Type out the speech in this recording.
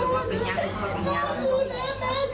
ใจดูโทษถอยสำคัญ